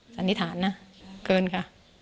สันนิษฐานนะเกินค่ะ